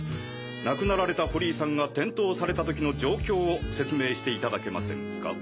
亡くなられた堀井さんが転倒された時の状況を説明していただけませんですか？